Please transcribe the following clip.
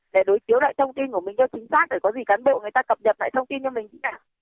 để đối chiếu lại thông tin của mình cho chính xác để có gì cán bộ người ta cập nhật lại thông tin cho mình thế cả